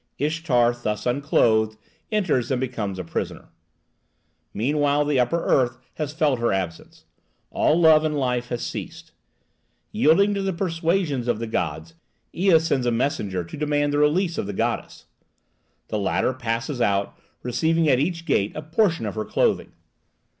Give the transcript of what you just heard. Ishtar, thus unclothed, enters and becomes a prisoner. Meantime the upper earth has felt her absence. All love and life has ceased. Yielding to the persuasions of the gods, Ea sends a messenger to demand the release of the goddess. The latter passes out, receiving at each gate a portion of her clothing.